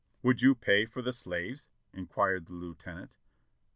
"Would you pay for the slaves?" inquired the Lieutenant.